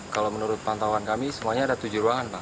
kalau menurut pantauan kami semuanya ada tujuh ruangan pak